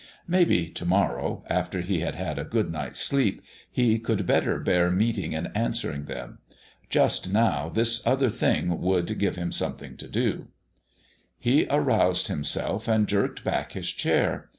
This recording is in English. Maybe to morrow, after he had had a good night's sleep, he could better bear meeting and answering them. Just now this other thing would give him something to do. He aroused himself and jerked back his chair.